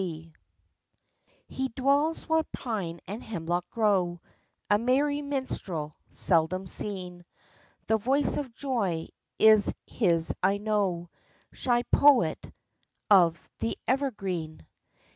He dwells where pine and hemlock grow, A merry minstrel seldom seen ; The voice of Joy is his I know — Shy poet of the Evergreen